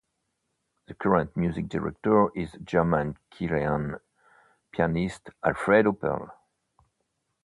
The current music director is German-Chilean pianist Alfredo Perl.